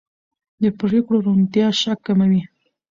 د پرېکړو روڼتیا شک کموي